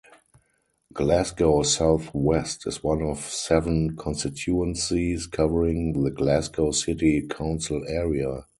Glasgow South West is one of seven constituencies covering the Glasgow City council area.